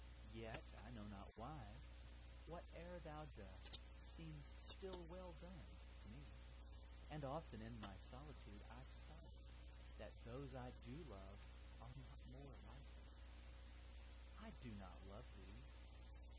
—yet, I know not why, 5 Whate'er thou dost seems still well done, to me: And often in my solitude I sigh That those I do love are not more like thee! I do not love thee!